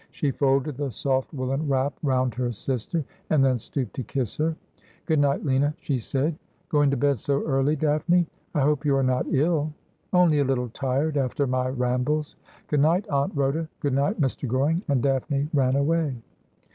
She folded the soft wollen wrap round her sister, and then stooped to kiss her. ' Good night, Lina,' she said. ' Going to bed so early. Daphne ? I hope you are not ill.' ' Only a little tired after my rambles. Good night, Aunt Rhoda ; good night, Mr. Goring,' and Daphne ran away.